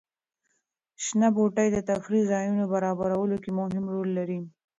شنه بوټي د تفریح ځایونو برابرولو کې مهم رول لري.